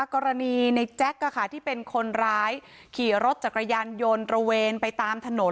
กรณีในแจ๊คที่เป็นคนร้ายขี่รถจักรยานยนต์ระเวนไปตามถนน